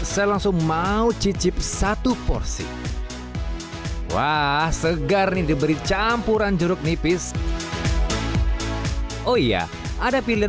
saya langsung mau cicip satu porsi wah segar nih diberi campuran jeruk nipis oh iya ada pilihan